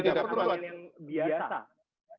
tetap aturan aturan yang biasa